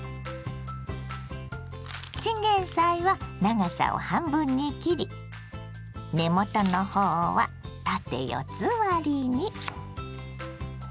チンゲンサイは長さを半分に切り根元の方は縦四つ割りに。